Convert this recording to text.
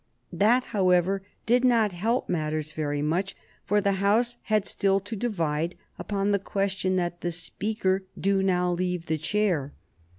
That, however, did not help matters very much, for the House had still to divide upon the question that the Speaker do now leave the chair.